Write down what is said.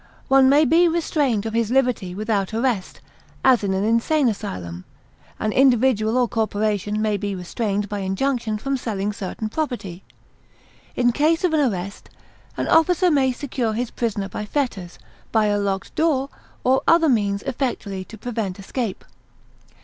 One may be restrained of his liberty without arrest, as in an insane asylum; an individual or corporation may be restrained by injunction from selling certain property. In case of an arrest, an officer may secure his prisoner by fetters, by a locked door, or other means effectually to prevent escape.